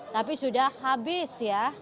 tapi sudah habis ya